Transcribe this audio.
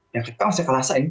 ya kita masih kelasain